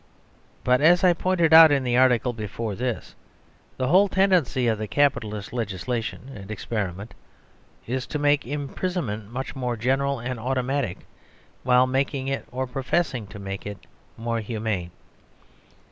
But, as I pointed out in the article before this, the whole tendency of the capitalist legislation and experiment is to make imprisonment much more general and automatic, while making it, or professing to make it, more humane.